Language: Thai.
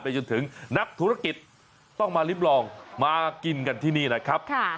จนถึงนักธุรกิจต้องมาริมลองมากินกันที่นี่นะครับ